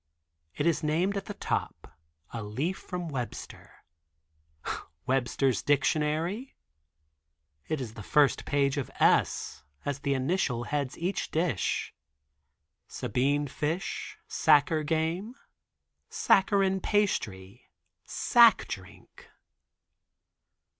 It is named at the top A Leaf From Webster. Webster's dictionary? It is the first page of S as that initial heads each dish. Sabine fish, sacar game, saccharine pastry, sack drink.